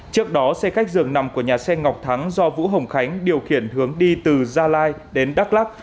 trước đó xe khách dường nằm của nhà xe ngọc thắng do vũ hồng khánh điều khiển hướng đi từ gia lai đến đắk lắc